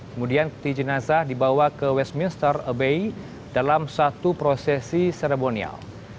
kemudian peti jenazah dibawa ke westminster abbay dalam satu prosesi seremonial